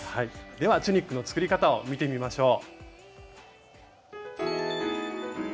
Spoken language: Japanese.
ではチュニックの作り方を見てみましょう。